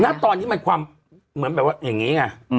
ณตอนนี้มันความเหมือนแบบว่าอย่างนี้ไง